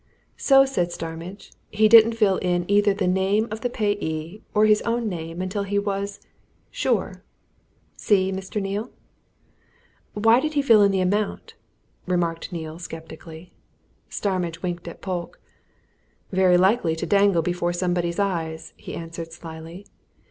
"So," said Starmidge, "he didn't fill in either the name of the payee or his own name until he was sure! See, Mr. Neale!" "Why did he fill in the amount?" remarked Neale, sceptically. Starmidge winked at Polke. "Very likely to dangle before somebody's eyes," he answered slyly.